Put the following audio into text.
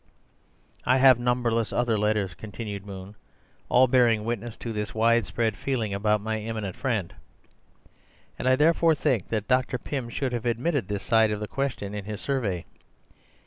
"I have numberless other letters," continued Moon, "all bearing witness to this widespread feeling about my eminent friend; and I therefore think that Dr. Pym should have admitted this side of the question in his survey.